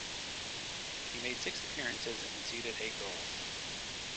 He made six appearances and conceded eight goals.